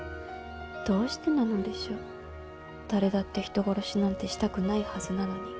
どうしてなのでしょう誰だって人殺しなんてしたくないはずなのに。